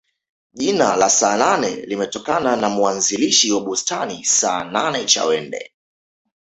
jina la saanane limetokana na muanzilishi wa bustani saanane chawande